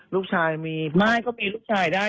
ลูกชายมีไม่ก็มีลูกชายได้